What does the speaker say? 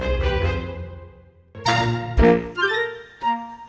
udah dapat tabung